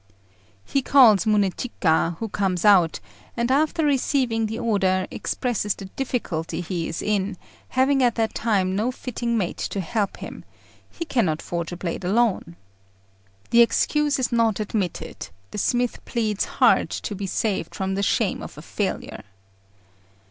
He calls Munéchika, who comes out, and, after receiving the order, expresses the difficulty he is in, having at that time no fitting mate to help him; he cannot forge a blade alone. The excuse is not admitted; the smith pleads hard to be saved from the shame of a failure.